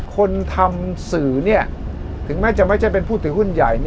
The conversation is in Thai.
คนทำสื่อถึงแม้จะไม่ใช่เป็นผู้ถือหุ้นใหญ่